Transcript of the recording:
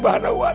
pak nek juga gak